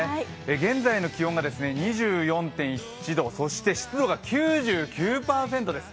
現在の気温が２４．１度、そして湿度が９９％です。